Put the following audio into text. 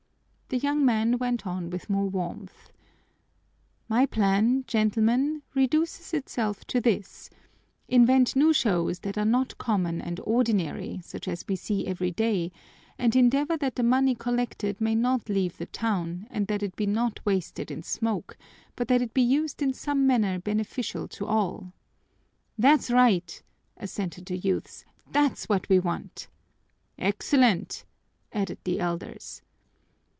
The young man went on with more warmth: "My plan, gentlemen, reduces itself to this: invent new shows that are not common and ordinary, such as we see every day, and endeavor that the money collected may not leave the town, and that it be not wasted in smoke, but that it be used in some manner beneficial to all." "That's right!" assented the youths. "That's what we want." "Excellent!" added the elders.